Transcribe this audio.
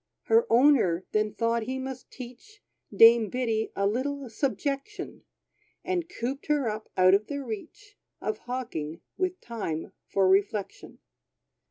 Her owner then thought he must teach Dame Biddy a little subjection; And cooped her up, out of the reach Of hawking, with time for reflection.